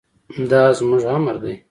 دا زموږ امر دی.